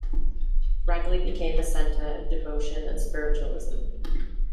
Ragley became a centre of devotion and spiritualism.